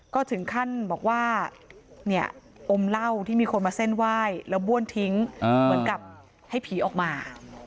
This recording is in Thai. ก็ถึงขั้นบอกว่าเนี่ยอมเหล้าที่มีคนมาเส้นไหว้แล้วบ้วนทิ้งเหมือนกับให้ผีออกมา